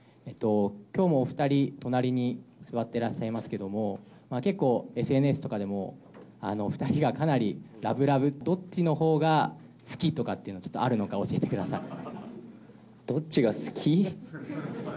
きょうもお２人、隣に座ってらっしゃいますけれども、結構ＳＮＳとかでも、２人がかなりラブラブ、どっちのほうが好きとかっていうの、あるのか、ちょっと教えてくどっちが好き？